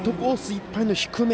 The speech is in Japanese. いっぱいの低め。